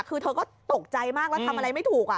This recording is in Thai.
คือเธอก็ตกใจมากแล้วทำอะไรไม่ถูก